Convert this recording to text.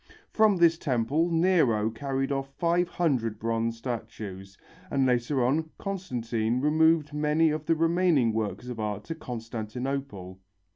From this temple Nero carried off five hundred bronze statues, and later on Constantine removed many of the remaining works of art to Constantinople.